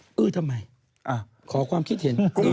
ดูทำไม